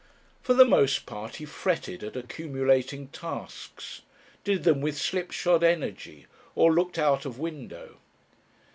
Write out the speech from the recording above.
For the most part he fretted at accumulating tasks, did them with slipshod energy or looked out of window.